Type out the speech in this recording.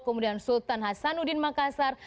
kemudian sultan hasanuddin makassar